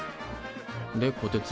でこてつ。